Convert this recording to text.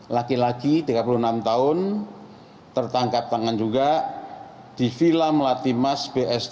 laki laki tiga puluh enam tahun tertangkap tangan juga di vila melatimas bsd